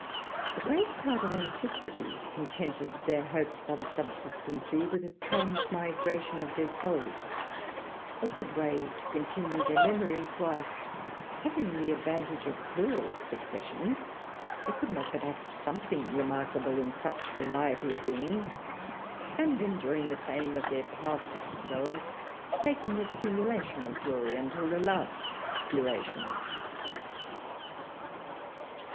A great part of antiquity contented their hopes of subsistency with a transmigration of their souls; a good way to continue their memories, while, having the advantage of plural successions, they could not but act something remarkable in such variety of beings, and enjoying the fame of their passed selves, making accumulation of glory unto their last durations.